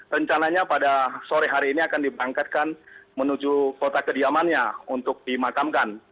rencananya pada sore hari ini akan diberangkatkan menuju kota kediamannya untuk dimakamkan